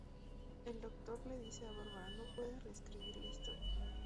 El Doctor le dice a Barbara "¡No puedes reescribir la historia!